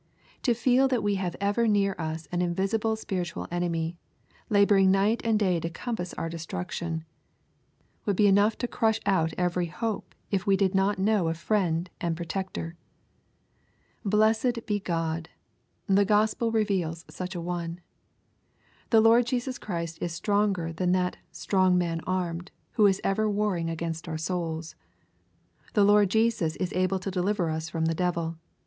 To feel that we have ever near us an invisible spiritual enemy, laboring night and day to ^compass our destruction, would be enough to crush out every hope, if we did not know a Friend and Protector. Blessed be God ! The Gospel reveals such an One. The Lord Jesus is stronger than that "strong man armed," who is ever warring against our souls. The Lord Jesus is able to deliver us from the devil.